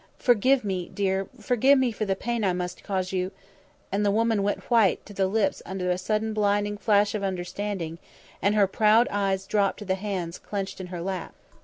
Forgive me, dear, forgive me for the pain I must cause you " And the woman went white to the lips under a sudden blinding flash of understanding and her proud eyes dropped to the hands clenched in her lap.